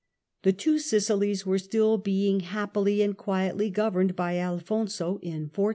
The two Sicilies were still being happily and quietly governed by Alfonso in 1453.